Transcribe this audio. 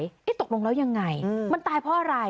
ตกลงแล้วยังไงมันตายเพราะอะไร